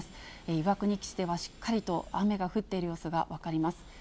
岩国基地ではしっかりと雨が降っている様子が分かります。